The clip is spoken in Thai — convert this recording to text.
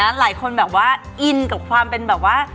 หลายคนแบบว่าอินกับความเป็นแบบว่า